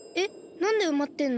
なんでうまってんの？